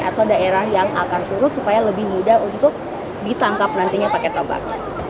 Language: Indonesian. atau daerah yang akan surut supaya lebih mudah untuk ditangkap nantinya paket tombak